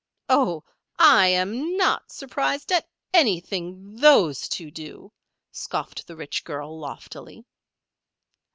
"Oh! I am not surprised at anything those two do," scoffed the rich girl, loftily.